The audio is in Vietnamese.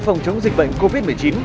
phòng chống dịch bệnh covid một mươi chín